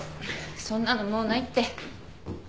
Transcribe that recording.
そんなのもうないって。